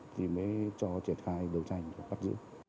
thì mới cho triển khai đấu tranh và bắt giữ